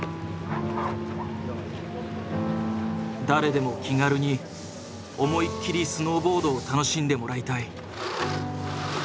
誰でも気軽に思いっきりスノーボードを楽しんでもらいたい。